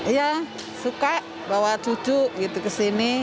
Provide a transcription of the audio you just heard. iya suka bawa cucu gitu ke sini